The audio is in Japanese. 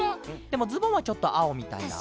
でもズボンはちょっとあおみたいな。